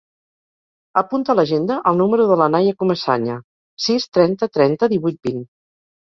Apunta a l'agenda el número de la Naia Comesaña: sis, trenta, trenta, divuit, vint.